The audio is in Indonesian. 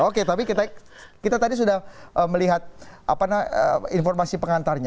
oke tapi kita tadi sudah melihat informasi pengantarnya